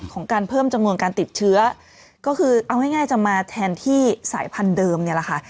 การเพิ่มจำนวนการติดเชื้อก็คือเอาง่ายจะมาแทนที่สายพันธุ์เดิมเนี่ยแหละค่ะ